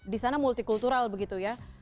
di sana multi kultural begitu ya